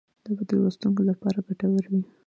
دا به د لوستونکو لپاره ګټور وي.